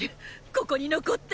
ここに残って！